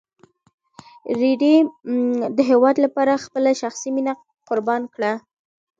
رېدي د هېواد لپاره خپله شخصي مینه قربان کړه.